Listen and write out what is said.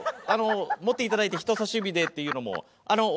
あの持っていただいて人さし指でっていうのも。